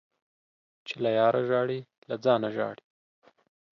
چي له ياره ژاړې ، له ځانه ژاړې.